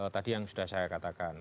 tadi yang sudah saya katakan